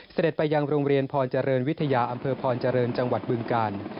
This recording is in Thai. เสด็จไปยังโรงเรียนพรเจริญวิทยาอำเภอพรเจริญจังหวัดบึงกาล